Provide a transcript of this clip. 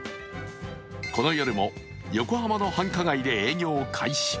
この夜も横浜の繁華街で営業を開始。